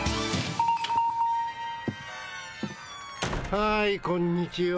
・ハイこんにちは。